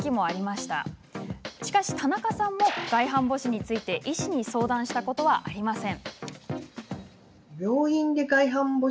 しかし、田中さんも外反母趾について医師に相談したことはありません。